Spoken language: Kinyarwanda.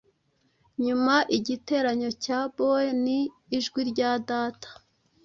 nyuma igiteranyo cya byoe,n ijwi rya Data,